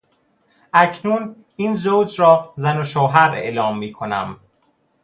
اکنون این زوج را زن و شوهر اعلام میکنم.